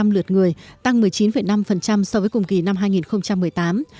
năm trăm tám mươi sáu một trăm linh lượt người tăng một mươi chín năm so với cùng kỳ năm hai nghìn một mươi tám